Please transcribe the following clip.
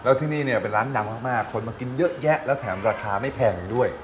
แล้วที่นี่เนี่ยเป็นร้านดังมากคนมากินเยอะแยะแล้วแถมราคาไม่แพงด้วย